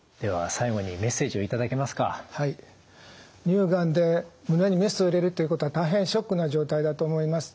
乳がんで胸にメスを入れるということは大変ショックな状態だと思います。